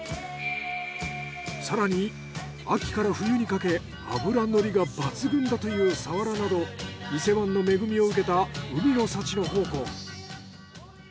更に秋から冬にかけ脂のりが抜群だというサワラなど伊勢湾の恵みを受けた海の幸の宝庫。